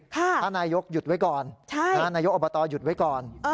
ค้านายกหยุดไว้ก่อน